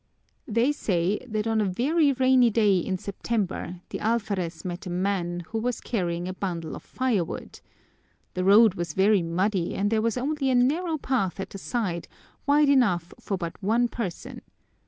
"They say that on a very rainy day in September the alferez met a man who was carrying a bundle of firewood. The road was very muddy and there was only a narrow path at the side, wide enough for but one person.